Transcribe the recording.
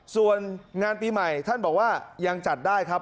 ส่วนงานปีใหม่ท่านบอกว่ายังจัดได้ครับ